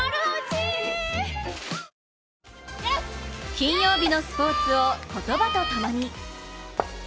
金曜日のスポーツを言葉と共に。